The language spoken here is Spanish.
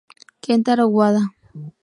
Kentaro Wada